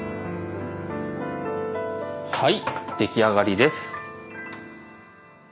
はい出来上がりです。